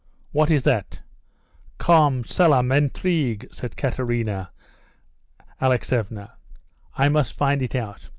"What is it? Comme cela m'intrigue," said Katerina Alexeevna. "I must find it out.